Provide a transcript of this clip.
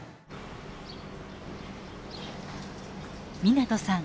湊さん